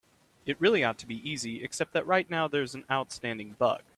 It really ought to be easy, except that right now there's an outstanding bug.